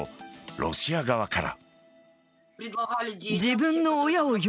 ロシア側から。